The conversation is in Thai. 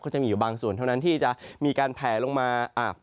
จะมีอยู่บางส่วนเท่านั้นที่จะมีการแผลลงมา